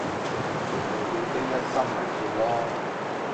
全部叫丁一心咪算囉